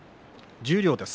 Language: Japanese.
十両です。